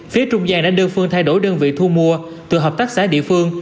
phía trung gian đã đưa phương thay đổi đơn vị thu mua từ hợp tác xã địa phương